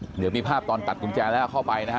เดี๋ยวมีภาพตอนตัดกุญแจแล้วเข้าไปนะฮะ